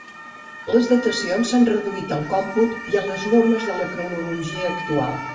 Les datacions s'han reduït al còmput i a les normes de la cronologia actual.